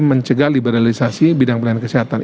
mencegah liberalisasi bidang pelayanan kesehatan